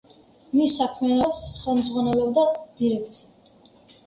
მის საქმიანობას ხელმძღვანელობდა დირექცია.